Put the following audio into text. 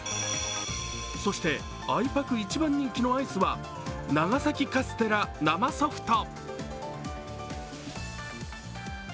そして、あいぱく一番人気のアイスは、長崎カステラ生ソフト。